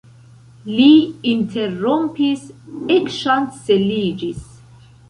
Li interrompis, ekŝanceliĝis.